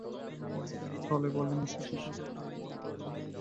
মীরা ক্ষীণ গলায় বললেন, এইসব কিছুই তো তুমি আমাকে বল নি।